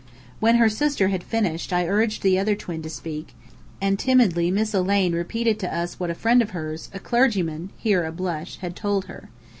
When her sister had finished I urged the other twin to speak, and timidly Miss Elaine repeated to us what a friend of hers, a clergyman (here a blush) had told her.